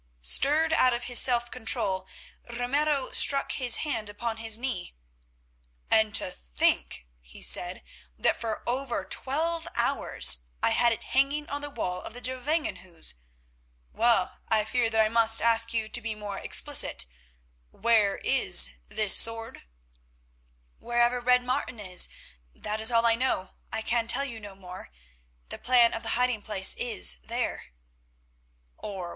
Stirred out of his self control, Ramiro struck his hand upon his knee. "And to think," he said, "that for over twelve hours I had it hanging on the wall of the Gevangenhuis! Well, I fear that I must ask you to be more explicit. Where is this sword?" "Wherever Red Martin is, that is all I know. I can tell you no more; the plan of the hiding place is there."